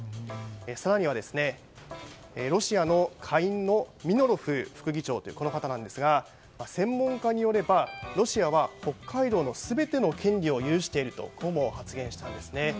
更にはロシアの下院のミロノフ副議長という方なんですが専門家によればロシアは北海道の全ての権利を有しているとも発言したんですね。